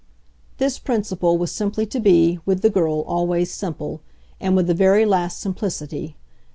This principle was simply to be, with the girl, always simple and with the very last simplicity.